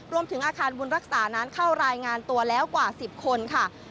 รวมถึงอาคารบุญรักษานั้นเข้ารายงานตัวแล้วกว่า๑๐คนค่ะ